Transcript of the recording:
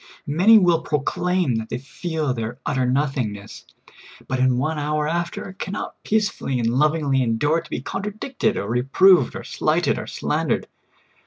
Many wdll proclaim that they feel their utter nothingness, but in one hour after can not peacefully and lovingly endure to be contradicted, or reproved, or slighted, or slandered.